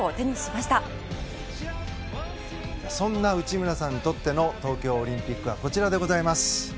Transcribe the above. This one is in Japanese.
松岡：そんな内村さんにとっての東京オリンピックはこちらでございます。